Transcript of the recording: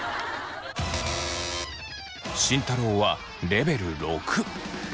慎太郎はレベル６。